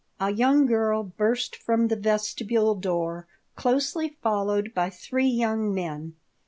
A young girl burst from the vestibule door, closely followed by three young men.